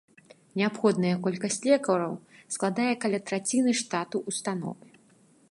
Неабходная колькасць лекараў складае каля траціны штату ўстановы.